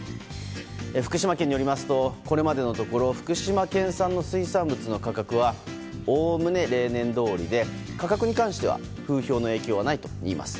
福島県によりますとこれまでのところ福島県の水産物の価格はおおむね例年どおりで価格に関しては風評の影響はないといいます。